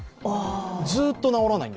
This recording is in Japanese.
ずっと治らないんで。